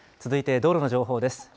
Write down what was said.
続いて道路の情報です。